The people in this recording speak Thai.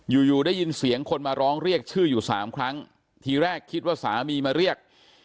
อยู่อยู่ได้ยินเสียงคนมาร้องเรียกชื่ออยู่สามครั้งทีแรกคิดว่าสามีมาเรียก